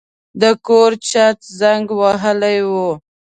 د کور چت زنګ وهلی و.